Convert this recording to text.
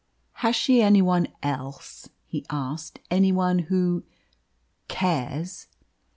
"Has she any one else?" he asked. "Any one who cares?"